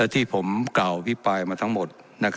ที่ผมกล่าวอภิปรายมาทั้งหมด